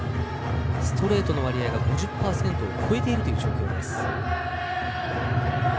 ストレートの割合が５０％を超えている状況です。